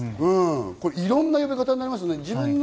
いろんな呼び方になりますね。